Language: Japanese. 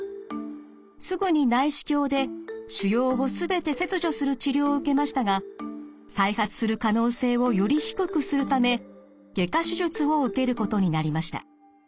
すぐに内視鏡で腫瘍を全て切除する治療を受けましたが再発する可能性をより低くするため外科手術を受けることになりました。